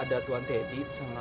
ada tuan teddy itu sama